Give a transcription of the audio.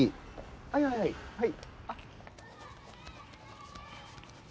はいはいはいはい。